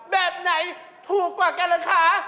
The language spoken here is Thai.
แบบไหนถูกกว่ากันล่ะคะ